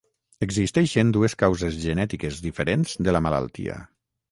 Existeixen dues causes genètiques diferents de la malaltia.